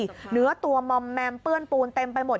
เนื้อตัวมอมแมมเปื้อนปูนเต็มไปหมด